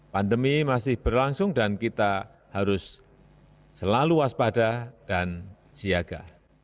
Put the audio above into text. pandemi masih berlangsung dan kita harus selalu waspada dan siaga